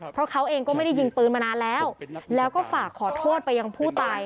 เพราะเขาเองก็ไม่ได้ยิงปืนมานานแล้วแล้วก็ฝากขอโทษไปยังผู้ตาย